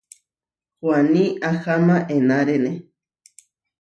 Huaní aháma enárene.